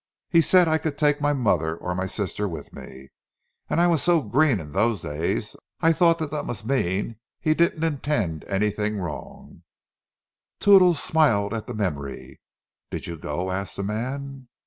He said I could take my mother or my sister with me—and I was so green in those days, I thought that must mean he didn't intend anything wrong!" Toodles smiled at the memory. "Did you go?" asked the man.